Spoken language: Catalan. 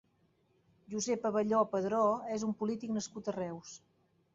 Josep Abelló Padró és un polític nascut a Reus.